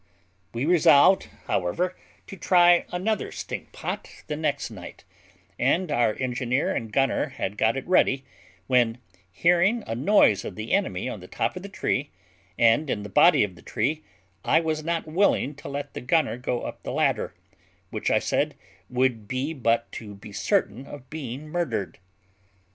We resolved, however, to try another stink pot the next night, and our engineer and gunner had got it ready, when, hearing a noise of the enemy on the top of the tree, and in the body of the tree, I was not willing to let the gunner go up the ladder, which, I said, would be but to be certain of being murdered.